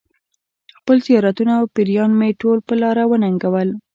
خپل زیارتونه او پیران مې ټول په لاره وننګول.